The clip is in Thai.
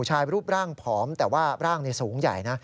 ชายรูปร่างผอมแต่ว่าร่างสูงใหญ่นะ